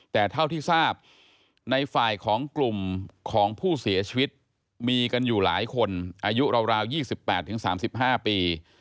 แต่เท่าที่ทราบในฝ่ายของกลุ่มของผู้เสียชีวิตมีกันอยู่หลายคนอายุราว๒๘๓๕ปี